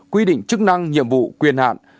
quy định chức năng nhiệm vụ quyền hành